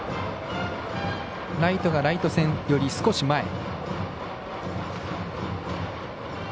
ライトがライト線より少し前。